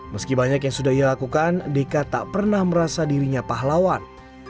meski banyak yang sudah ia lakukan deka tak pernah merasa dirinya pahlawan